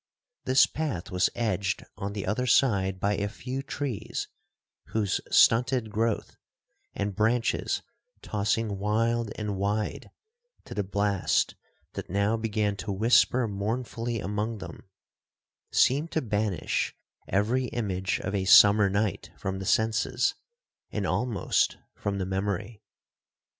This path was edged on the other side by a few trees, whose stunted growth, and branches tossing wild and wide to the blast that now began to whisper mournfully among them, seemed to banish every image of a summer night from the senses, and almost from the memory.